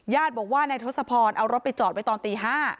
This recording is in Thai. บอกว่านายทศพรเอารถไปจอดไว้ตอนตี๕